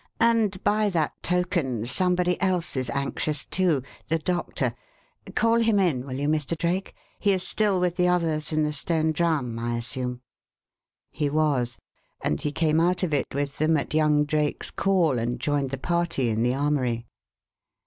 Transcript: And, by that token, somebody else is anxious, too the doctor. Call him in, will you, Mr. Drake? He is still with the others in the Stone Drum, I assume." He was; and he came out of it with them at young Drake's call, and joined the party in the armoury.